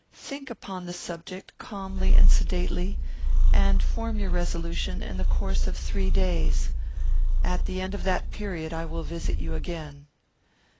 Think upon the subject calmly and sedately, and form your resolution in the course of three days. At the end of that period I will visit you again."